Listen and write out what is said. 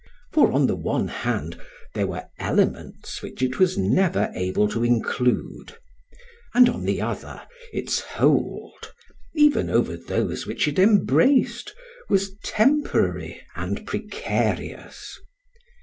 For on the one hand there were elements which it was never able to include; and on the other, its hold even over those which it embraced was temporary and precarious.